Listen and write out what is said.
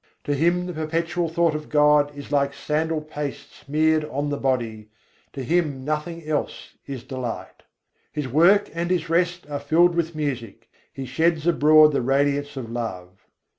To him the perpetual thought of God is like sandal paste smeared on the body, to him nothing else is delight: His work and his rest are filled with music: he sheds abroad the radiance of love.